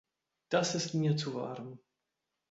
Das ist mir zu warm.